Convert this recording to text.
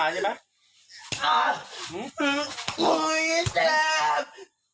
เจ็บ